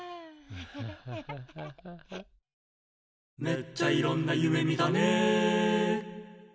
「めっちゃいろんな夢みたね」